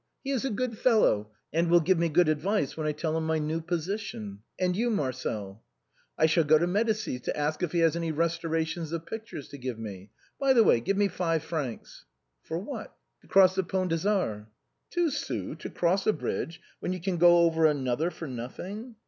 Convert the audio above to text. He is a good fellow, and will give me good advice when I tell him my new position. And you, Marcel ?"" I shall go to old Medicis to ask him if he has any restorations of pictures to give me. By the way, give me five francs." "For what?" " To cross the Pont des Arts ?"" Two sous to cross a bridge when you can go over an other for nothing